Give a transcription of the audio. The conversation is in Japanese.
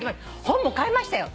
本も買いましたよ。